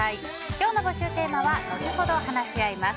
今日の募集テーマは後ほど話し合います